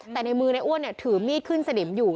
แต่ในมือในอ้วนถือมีดขึ้นสนิมอยู่